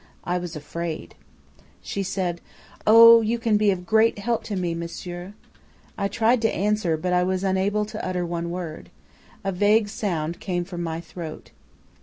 I was afraid. "She said: "'Oh, you can be of great help to me, monsieur!' "I tried to answer, but I was unable to utter one word. A vague sound came from my throat.